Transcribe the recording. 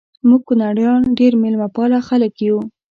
مونږ کونړیان ډیر میلمه پاله خلک یو